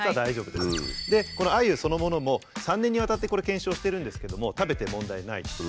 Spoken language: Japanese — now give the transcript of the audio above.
でこのアユそのものも３年にわたって検証してるんですけども食べて問題ない。